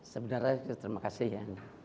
sebenarnya terima kasih ya